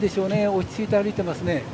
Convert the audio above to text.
落ち着いて歩いていますね。